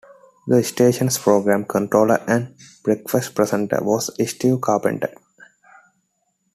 The station's programme controller and breakfast presenter was Steve Carpenter.